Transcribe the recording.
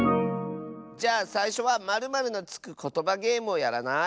じゃあさいしょは○○のつくことばゲームをやらない？